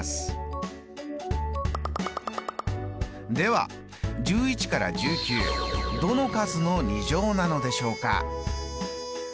では１１から１９どの数の２乗なのでしょうか？